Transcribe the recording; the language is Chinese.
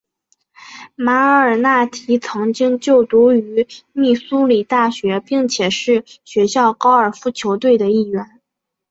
马尔纳提曾经就读于密苏里大学并且是学校高尔夫球队的一员。